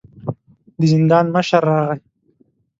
د زندان مشر راغی.